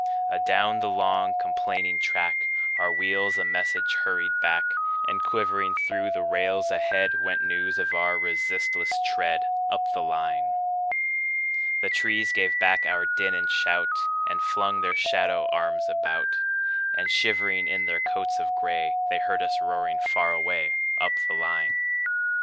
Adown the long, complaining track, Our wheels a message hurried back; And quivering through the rails ahead, Went news of our resistless tread, Up the line. The trees gave back our din and shout, And flung their shadow arms about; And shivering in their coats of gray, They heard us roaring far away, Up the line.